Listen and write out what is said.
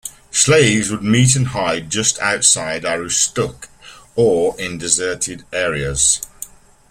Slaves would meet and hide just outside Aroostook or in deserted areas.